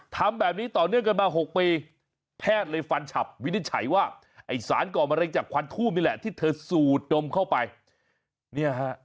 ทำแบบนี้ต่อเนื่องกันมา๖ปี